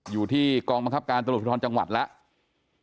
อยู่ที่กองบังคับการตำรวจภูทรจังหวัดแล้ว